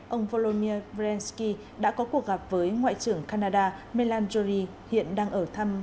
ông volodymyr zelensky đã có cuộc gặp với ngoại trưởng canada melancholy hiện đang ở thăm